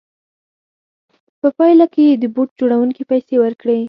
په پایله کې یې د بوټ جوړوونکي پیسې ورکړې